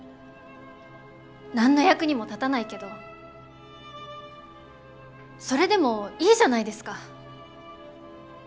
何の役にも立たないけどそれでもいいじゃないですか！